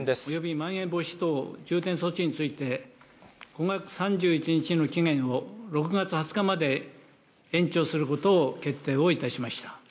まん延防止等重点措置について、５月３１日の期限を６月２０日まで延長することを決定をいたしました。